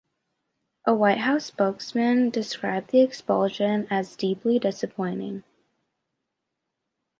A White House spokesman described the expulsion as "deeply disappointing".